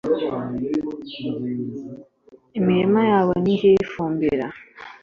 imirima yabo ni jyewe uyifumbira,